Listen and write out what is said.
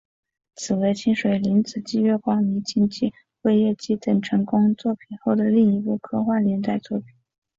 此为清水玲子继月光迷情及辉夜姬等成功作品后的另一部科幻连载作品。